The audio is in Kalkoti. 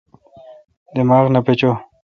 دماغ نہ پچو۔